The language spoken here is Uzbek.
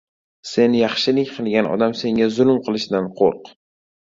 • Sen yaxshilik qilgan odam senga zulm qilishidan qo‘rq.